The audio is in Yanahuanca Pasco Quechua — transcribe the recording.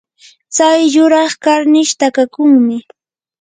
tsay yuraq karnish takakunmi.